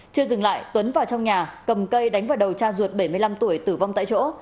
chưa dừng lại tuấn vào trong nhà cầm cây đánh vào đầu cha ruột bảy mươi năm tuổi tử vong tại chỗ